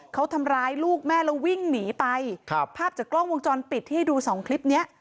เขาทำร้ายลูกแม่แล้ววิ่งหนีไปครับภาพจากกล้องวงจรปิดที่ให้ดูสองคลิปเนี้ย